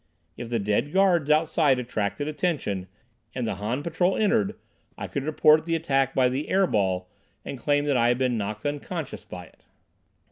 If the dead guards outside attracted attention, and the Han patrol entered, I could report the attack by the "air ball" and claim that I had been knocked unconscious by it.